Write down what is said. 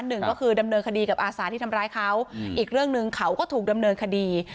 หนึ่งก็คือดำเนินคดีกับอาสาที่ทำร้ายเขาอีกเรื่องหนึ่งเขาก็ถูกดำเนินคดี